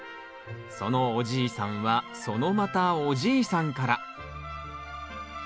そのおじいさんはそのまたおじいさんから。